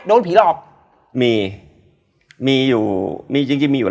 แต่เราที่มีกีธี